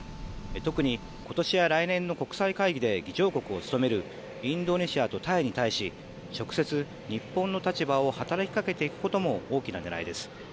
特に今年や来年の国際会議で議長国を務めるインドネシアやタイに対し直接、日本の立場を働きかけていくことも大きな狙いです。